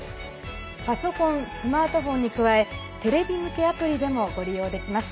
パソコン、スマートフォンに加えテレビ向けアプリでもご利用できます。